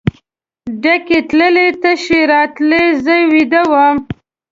ډکې تللې تشې راتللې زه ویده وم.